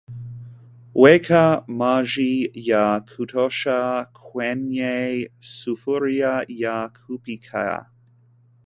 Weka maji ya kutosha kwenye sufuria ya kupikia